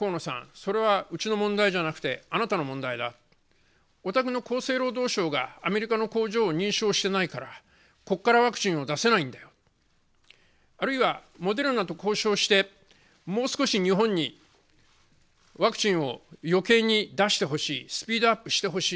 それはうちの問題じゃなくてあなたの問題だ、おたくの厚生労働省がアメリカの工場を認証していないからここからワクチンを出せないんだと、あるいはモデルナと交渉してもう少し日本にワクチンを余計に出してほしいスピードアップしてほしい。